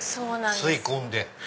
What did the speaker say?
吸い込んで。